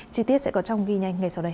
chi tiết sẽ có trong ghi nhanh ngay sau đây